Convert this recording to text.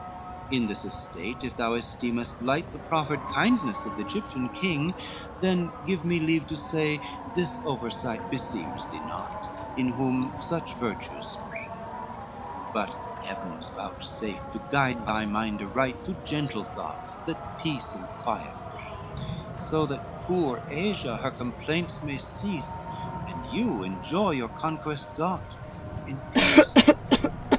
LXXVIII "In this estate, if thou esteemest light The proffered kindness of the Egyptian king, Then give me leave to say, this oversight Beseems thee not, in whom such virtues spring: But heavens vouchsafe to guide my mind aright, To gentle thoughts, that peace and quiet bring, So that poor Asia her complaints may cease, And you enjoy your conquests got, in peace.